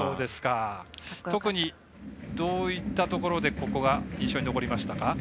特にどういったところで印象に残りましたか？